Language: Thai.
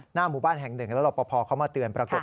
หมู่บ้านแห่งหนึ่งแล้วรอปภเขามาเตือนปรากฏ